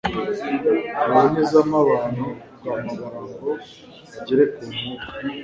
Ruboneza-mabano rwa Mabara ngo agere ku Nkuka